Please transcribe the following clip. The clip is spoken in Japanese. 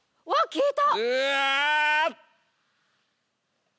消えた！